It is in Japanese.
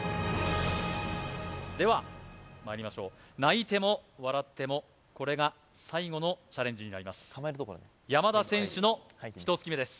ではまいりましょう泣いても笑ってもこれが最後のチャレンジになります山田選手の１突き目です